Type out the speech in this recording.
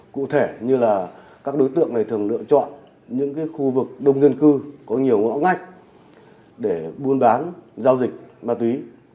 cụ thể như là các đối tượng này thường lựa chọn những khu vực đông dân cư có nhiều ngõ ngách để buôn bán giao dịch ma túy